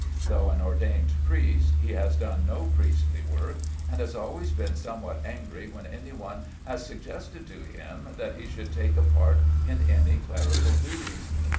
Though an ordained priest, he has done no priestly work, and has always been somewhat angry when any one has suggested to him that he should take a part in any clerical duties.